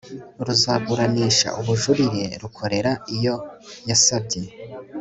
ruzaburanisha ubujurire rukorera iyo yasabye